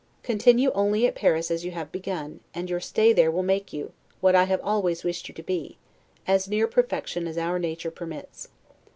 Continue only at Paris as you have begun, and your stay there will make you, what I have always wished you to be, as near perfection as our nature permits.